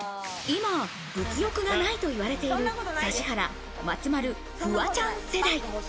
今、物欲がないと言われている指原・松丸・フワちゃん世代。